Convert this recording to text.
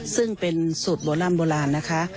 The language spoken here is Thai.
ซึ่งเป็นสูตรโบร่ำโบราณนะคะ